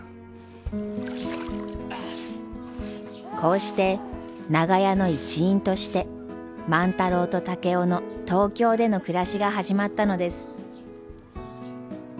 こうして長屋の一員として万太郎と竹雄の東京での暮らしが始まったのです。